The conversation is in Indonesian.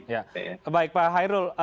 ya baik pak hairul